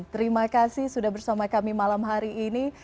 terima kasih sudah bersama kami malam hari ini